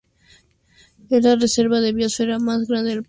Es la reserva de biosfera más grande del país.